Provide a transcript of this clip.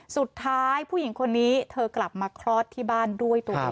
ผู้หญิงคนนี้เธอกลับมาคลอดที่บ้านด้วยตัวเอง